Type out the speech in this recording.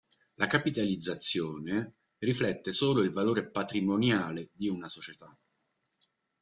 La capitalizzazione riflette solo il valore patrimoniale di una società.